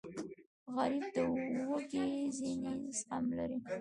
غریب د وږې خېټې زغم لري